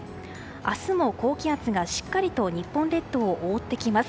明日も高気圧がしっかりと日本列島を覆ってきます。